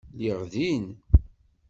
Lliɣ din.